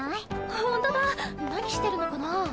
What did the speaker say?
ホントだなにしてるのかなぁ？